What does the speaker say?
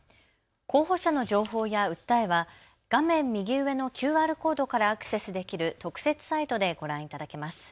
候補者の情報や訴えは画面右上のＱＲコードからアクセスできる特設サイトでご覧いただけます。